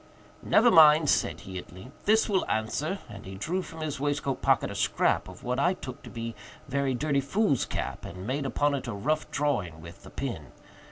"Never mind," said he at length, "this will answer;" and he drew from his waistcoat pocket a scrap of what I took to be very dirty foolscap, and made upon it a rough drawing with the pen.